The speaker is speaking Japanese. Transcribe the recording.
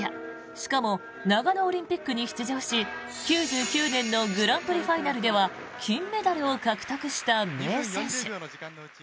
しかも長野オリンピックに出場し９９年のグランプリファイナルでは金メダルを獲得した名選手。